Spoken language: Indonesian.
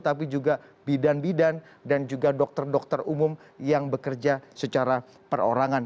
tapi juga bidan bidan dan juga dokter dokter umum yang bekerja secara perorangan